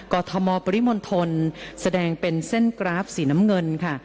อทมปริมณฑลแสดงเป็นเส้นกราฟสีน้ำเงินค่ะ